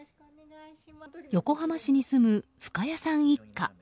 横浜市に住む深谷さん一家。